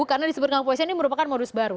karena disebutkan dengan po ini merupakan modus baru